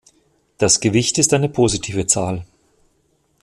Das Gewicht ist eine positive Zahl.